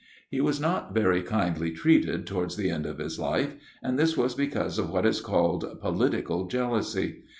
He was not very kindly treated towards the end of his life, and this was because of what is called 'political jealousy.